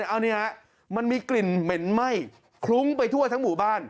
เอานี่ฮะมันมีกลิ่นเหม็นไหม้คลุ้งไปทั่วทั้งหมู่บ้าน